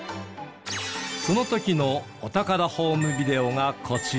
その時のお宝ホームビデオがこちら。